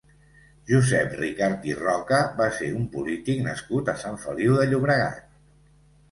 Josep Ricart i Roca va ser un polític nascut a Sant Feliu de Llobregat.